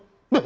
nah itu baru